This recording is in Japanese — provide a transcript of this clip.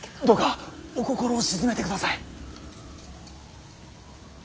どうかお心を静めてください。